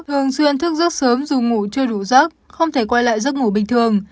thường xuyên thức rất sớm dù ngủ chưa đủ giấc không thể quay lại giấc ngủ bình thường